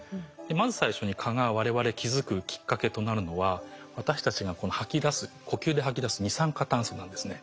まず最初に蚊がわれわれ気付くきっかけとなるのは私たちが吐き出す呼吸で吐き出す二酸化炭素なんですね。